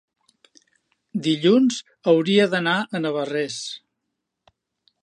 Dilluns hauria d'anar a Navarrés.